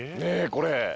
これ。